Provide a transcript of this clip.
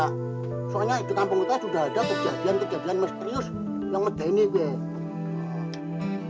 karena di kampung kita sudah ada kejadian kejadian misterius yang menjenik